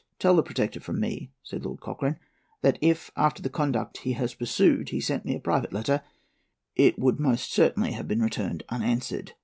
"Tell the Protector from me," said Lord Cochrane, "that if, after the conduct he has pursued, he had sent me a private letter, it would certainly have been returned unanswered.